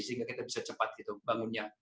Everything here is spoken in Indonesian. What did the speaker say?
sehingga kita bisa cepat gitu bangunnya